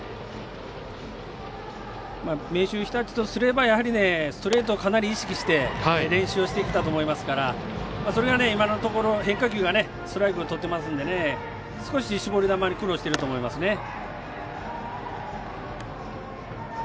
明秀日立とすればストレートをかなり意識して練習してきたと思いますからそれが今のところ、変化球がストライクとってますから少し絞り球に苦労していると思いますね。